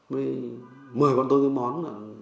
mới mời bọn tôi cái món